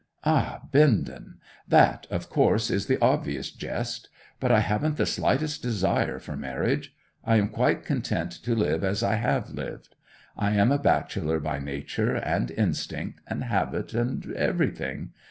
'Ah, Bindon. That, of course, is the obvious jest. But I haven't the slightest desire for marriage; I am quite content to live as I have lived. I am a bachelor by nature, and instinct, and habit, and everything.